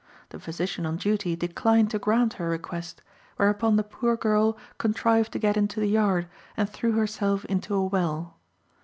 The physician on duty declined to grant her request, whereupon the poor girl contrived to get into the yard, and threw herself into a well.